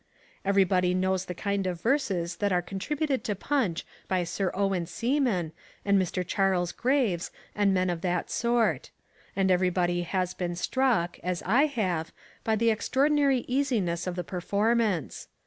Everybody knows the kind of verses that are contributed to Punch by Sir Owen Seaman and Mr. Charles Graves and men of that sort. And everybody has been struck, as I have, by the extraordinary easiness of the performance.